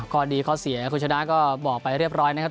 ข้อดีข้อเสียคุณชนะก็บอกไปเรียบร้อยนะครับ